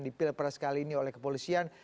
di pilpres kali ini oleh kepolisian